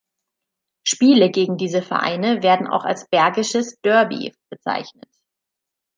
Spiele gegen diese Vereine werden auch als "Bergisches Derby" bezeichnet.